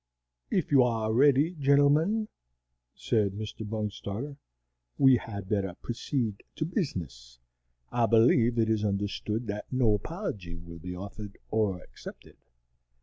"If you are ready, gentlemen," said Mr. Bungstarter, "we had better proceed to business. I believe it is understood that no apology will be offered or accepted.